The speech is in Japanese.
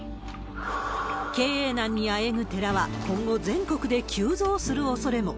経営難にあえぐ寺は、今後、全国で急増するおそれも。